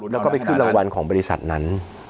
แล้วก็ไปขึ้นรางวัลของบริษัทนั้น